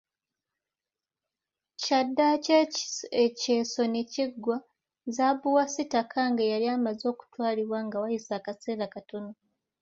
Kyaddaaki ekyeso ne kiggwa, zaabu wa Sitakange yali amaze okutwalibwa nga wayise akaseera katono